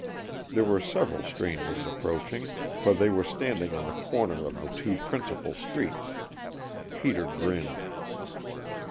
There were several strangers approaching, for they were standing on the corner of the two principal streets. Peter grinned.